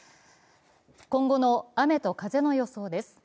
今後の雨と風の予想です。